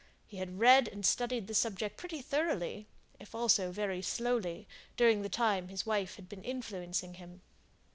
He had read and studied the subject pretty thoroughly, if also very slowly, during the time his wife had been influencing him.